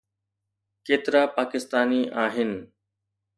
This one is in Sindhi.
ڪيترا پاڪستاني آهن؟